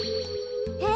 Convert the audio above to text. え？